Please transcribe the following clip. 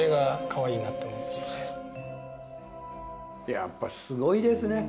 やっぱすごいですね。